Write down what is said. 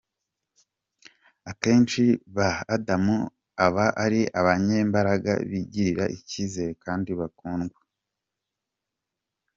Akenshi ba Adam aba ari abanyembaraga, bigirira icyizere kandi bakundwa.